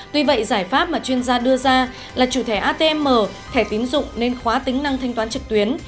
tuy vậy giải pháp mà chuyên gia đưa ra là chủ thẻ atm thẻ tín dụng nên khóa tính năng thanh toán trực tuyến